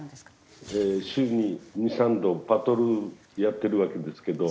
週に２３度パトロールやってるわけですけど。